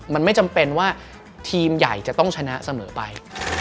มันไม่จำเป็นว่าทีมใหญ่จะต้องชนะเสมอไป